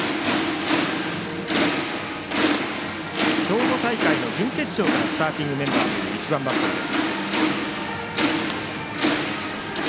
兵庫大会の準決勝からスターティングメンバーという１番バッターです。